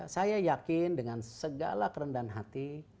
saya yakin dengan segala kerendahan hati